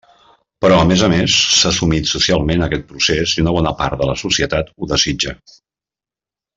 Però a més a més s'ha assumit socialment aquest procés i una bona part de la societat ho desitja.